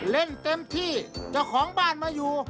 เล่นเต็มที่เจ้าของบ้านมาอยู่